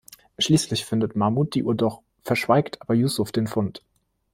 Schließlich findet Mahmut die Uhr doch, verschweigt aber Yusuf den Fund.